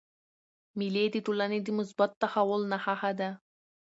مېلې د ټولني د مثبت تحول نخښه ده.